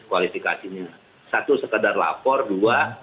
kualifikasinya satu sekedar lapor dua